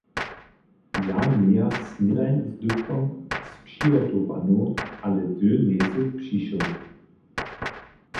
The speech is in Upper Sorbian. Ja mějach snědań zdypkom spřihotowanu, ale ty njejsy přišoł.